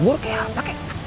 ibu lu kayak apa